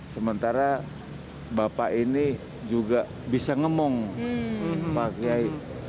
sementara bapak ini juga bisa ngomong pak kiai